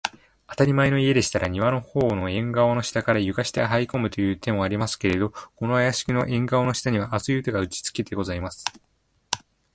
あたりまえの家でしたら、庭のほうの縁がわの下から、床下へはいこむという手もありますけれど、このお座敷の縁がわの下には、厚い板が打ちつけてございます